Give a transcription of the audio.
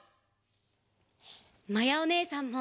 まやおねえさんも。